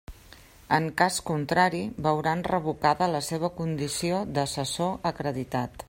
En cas contrari, veuran revocada la seva condició d'assessor acreditat.